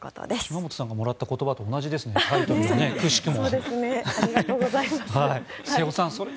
島本さんがもらった言葉と同じですねくしくも。